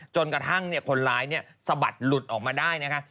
จนกระทั่งคนร้ายสะบัดหลุดออกมาได้นะคะ